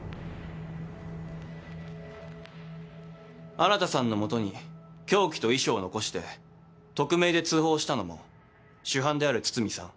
新さんのもとに凶器と遺書を残して匿名で通報したのも主犯である堤さん